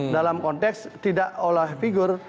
dalam konteks tidak oleh figur